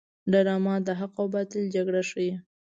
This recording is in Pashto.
ډرامه د حق او باطل جګړه ښيي